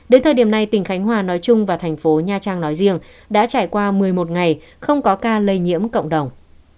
đến thời điểm này tỉnh khánh hòa nói chung và thành phố nha trang nói riêng đã trải qua một mươi một ngày không có ca lây nhiễm cộng đồng